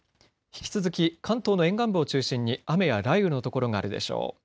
引き続き関東の沿岸部を中心に雨や雷雨の所があるでしょう。